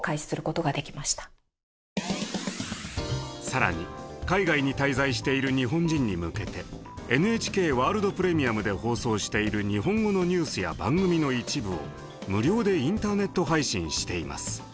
更に海外に滞在している日本人に向けてＮＨＫワールド・プレミアムで放送している日本語のニュースや番組の一部を無料でインターネット配信しています。